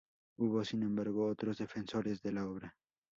Hubo, sin embargo, otros defensores de la obra.